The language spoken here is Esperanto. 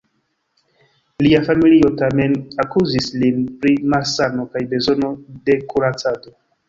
Lia familio tamen akuzis lin pri malsano kaj bezono de kuracado.